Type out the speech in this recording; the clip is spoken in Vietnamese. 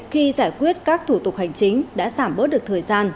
khi giải quyết các thủ tục hành chính đã giảm bớt được thời gian